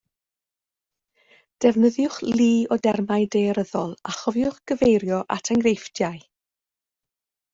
Defnyddiwch lu o dermau daearyddol a chofiwch gyfeirio at enghreifftiau